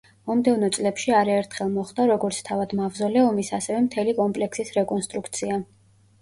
მომდევნო წლებში არაერთხელ მოხდა როგორც თავად მავზოლეუმის, ასევე მთელი კომპლექსის რეკონსტრუქცია.